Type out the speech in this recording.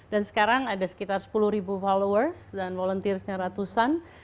dan sekarang ada sekitar sepuluh followers dan volunteer ratusan